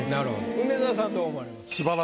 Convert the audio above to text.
梅沢さんどう思われますか？